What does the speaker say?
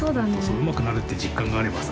うまくなるって実感があればさ。